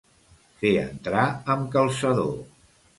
Fer entrar amb calçador.